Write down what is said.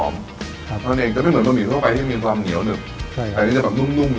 มันเองจะไม่เหมือนบะหมี่ทั่วไปที่มีความเหนียวหนึบ